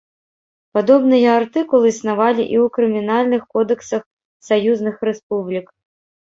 Падобныя артыкулы існавалі і ў крымінальных кодэксах саюзных рэспублік.